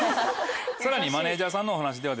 さらにマネージャーさんのお話では。